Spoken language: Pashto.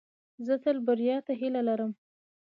زه تل بریا ته هیله لرم.